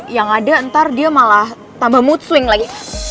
yang ada ntar dia malah tambah mood fling lagi